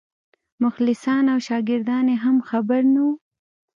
مخلصان او شاګردان یې هم خبر نه وو.